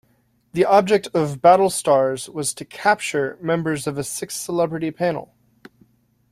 The object of "Battlestars" was to "capture" members of a six-celebrity panel.